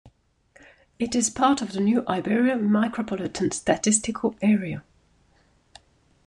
It is part of the New Iberia Micropolitan Statistical Area.